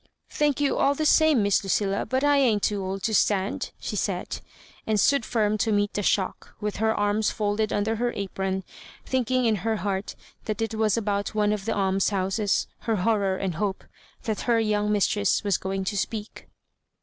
" Thank you all the same. Miss LucHla, but I ain*t too old to stand," she said ; and stood firm to meet the shock, with her arms folded under her apron, thinking in her heart that it was about one of the almshouses, her horror and hope, that her young mistress was going to speak.